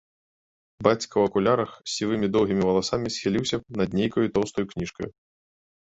Бацька ў акулярах з сівымі доўгімі валасамі схіліўся над нейкаю тоўстаю кніжкаю.